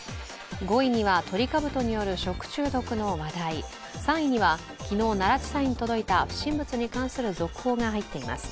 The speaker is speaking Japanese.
５位にはトリカブトによる食中毒の話題、３位には昨日、奈良地裁に届いた不審物に関する続報が入っています。